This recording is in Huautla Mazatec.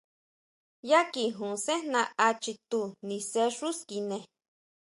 Yá kijun sejna á chitú, nise xú skine.